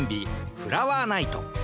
フラワーナイト。